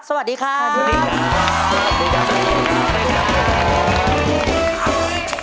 สวัสดีครับ